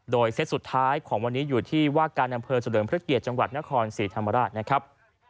โดยเซตสุดท้ายของวันนี้อยู่ที่ว่าการอำเภอเฉลิมพระเกียรติจังหวัดนครศรีธรรมราชนะครับ